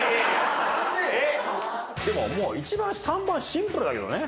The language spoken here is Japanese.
でももう一番３番がシンプルだけどね。